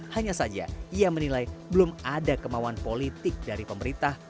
hanya saja ia menilai belum ada kemauan politik dari pemerintah